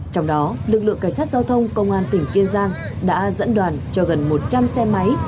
trong đó lực lượng cảnh sát giao thông công an tỉnh kiên giang đã dẫn đoàn cho gần một trăm linh xe máy